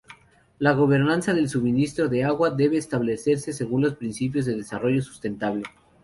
La gobernanza del suministro del agua debe establecerse según los principios de desarrollo sustentable.